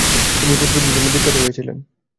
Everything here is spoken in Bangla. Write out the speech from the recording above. তিনি এই পদ্ধতিটির জন্য বিখ্যাত হয়েছিলেন।